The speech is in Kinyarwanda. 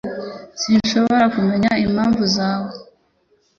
Sinshobora kumenya impamvu zawe